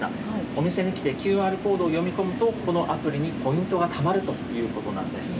お店に来てＱＲコードを読み込むと、このアプリにポイントがたまるということなんです。